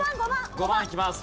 ５番いきます。